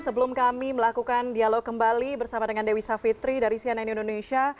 sebelum kami melakukan dialog kembali bersama dengan dewi savitri dari cnn indonesia